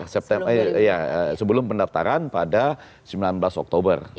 sebelum pendaftaran pada sembilan belas oktober